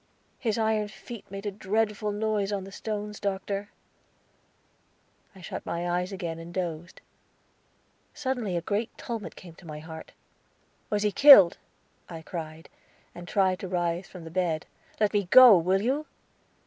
"His iron feet made a dreadful noise on the stones, Doctor!" I shut my eyes again and dozed. Suddenly a great tumult came to my heart. "Was he killed?" I cried, and tried to rise from the bed. "Let me go, will you?"